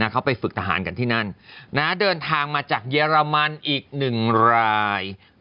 เขาไปฝึกทหารกันที่นั่นเดินทางมาจากเยอรมันอีก๑ราย